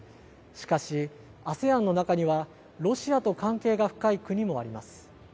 しかし、ＡＳＥＡＮの中にはロシアと関係が深い国もあります。